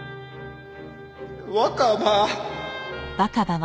若葉！